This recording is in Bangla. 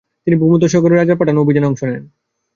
তিনি ভূমধ্যসাগরে রাজার পাঠানো অভিযানে অংশ নেন।